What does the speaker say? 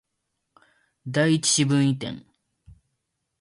第一四分位点